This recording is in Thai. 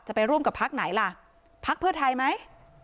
ไปร่วมกับพักไหนล่ะพักเพื่อไทยไหม